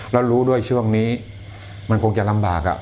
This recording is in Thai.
แล้วรู้ด้วยช่วงนี้มันคงจะลำบาก